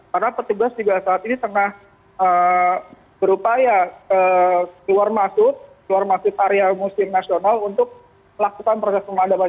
karena petugas juga saat ini tengah berupaya keluar masuk keluar masuk area museum nasional untuk melakukan proses pengadaman